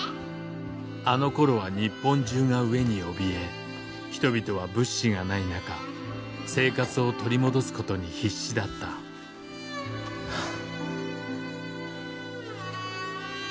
あのころは日本中が飢えにおびえ人々は物資がない中生活を取り戻すことに必死だったはあ。